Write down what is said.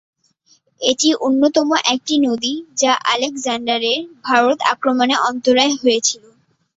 এটি অন্যতম একটি নদী যা আলেকজান্ডারের ভারত আক্রমণের অন্তরায় হয়েছিল।